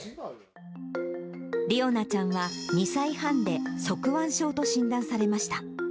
理央奈ちゃんは２歳半で側弯症と診断されました。